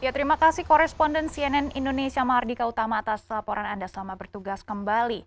terima kasih koresponden cnn indonesia mahardika utama atas laporan anda selamat bertugas kembali